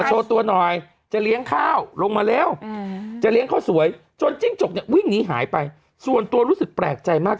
จะเลี้ยงเขาสวยจนจิ้งจกเนี่ยวิ่งหนีหายไปส่วนตัวรู้สึกแปลกใจมาก